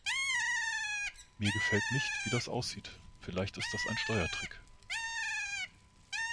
Mir gefällt nicht, wie das aussieht. Vielleicht ist das ein Steuertrick.